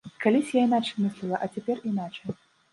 Калісь я іначай мысліла, а цяпер іначай.